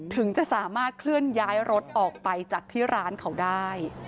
ถึงจะสามารถเคลื่อนย้ายรถออกไปจากที่ร้านเขาได้